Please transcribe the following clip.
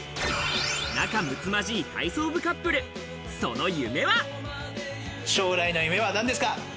仲むつまじい体操部カップル、将来の夢は何ですか？